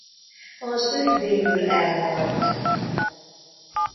Az ügy végül elhalt.